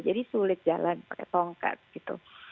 jadi sulit jalan pakai tongkat gitu